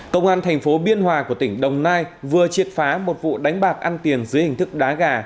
công an thành phố biên hòa của tỉnh đồng nai vừa triệt phá một vụ đánh bạc ăn tiền dưới hình thức đá gà